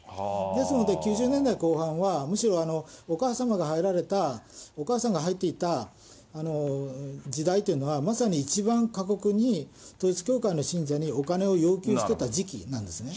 ですので、９０年代後半はむしろ、お母様が入られた、お母さんが入っていた時代っていうのは、まさに一番過酷に、統一教会の信者にお金を要求してた時期なんですね。